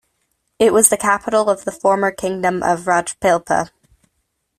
It was the capital of the former Kingdom of Rajpipla.